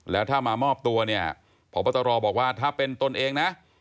แล้วถ้ามามอบตัวเนี่ยพบตรบอกว่าถ้าเป็นตนเองนะ